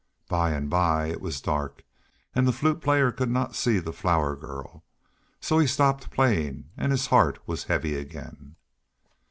By and by it was dark and the Flute Player could not see the Flower Girl, so he stopped playing and his heart was heavy again.